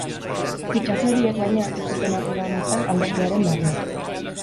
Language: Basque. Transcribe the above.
Fitxaje horiek, baina, ez zuten harrera ona izan alderdiaren barruan.